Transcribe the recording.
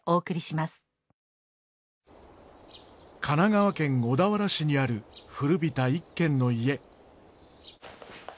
神奈川県小田原市にある古びた一軒の家。